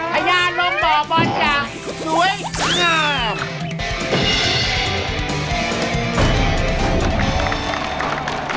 พยานลมบ่อบอดอย่างสวยงาม